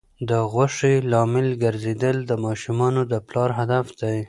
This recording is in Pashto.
د خوښۍ لامل ګرځیدل د ماشومانو د پلار هدف دی.